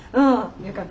よかった。